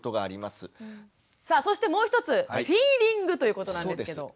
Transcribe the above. さあそしてもう一つフィーリングということなんですけど。